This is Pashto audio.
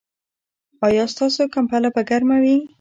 ایا ستاسو کمپله به ګرمه وي؟